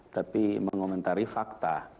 tapi mengomentari fakta